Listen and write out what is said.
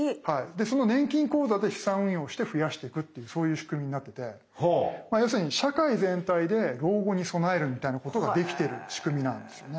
でその年金口座で資産運用をして増やしていくっていうそういう仕組みになってて要するに社会全体で老後に備えるみたいなことができてる仕組みなんですよね。